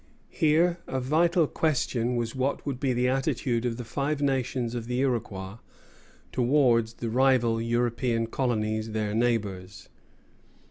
Here a vital question was what would be the attitude of the Five Nations of the Iroquois towards the rival European colonies, their neighbors.